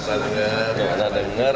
kita tidak pernah dengar